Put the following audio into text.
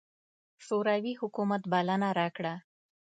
شوروي حکومت بلنه راکړه.